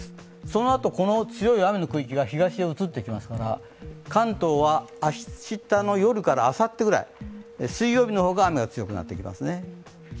そのあと、強い雨の区域が東へ移ってきますから、関東は明日の夜から、あさってぐらい水曜日の方が雨が強くなってきますね。